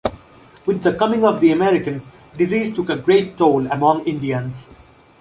With the coming of the Americans, disease took a great toll among Indians.